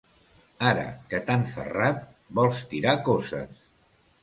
Ara que t'han ferrat, vols tirar coces.